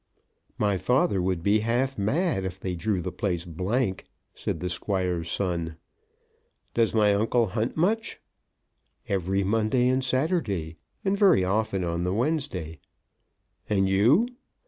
"My father would be half mad if they drew the place blank," said the Squire's son. "Does my uncle hunt much?" "Every Monday and Saturday, and very often on the Wednesday." "And you?"